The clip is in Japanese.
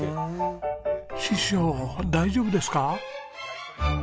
師匠大丈夫ですか！？